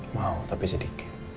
mau tapi sedikit